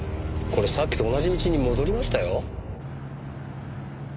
これさっきと同じ道に戻りましたよ。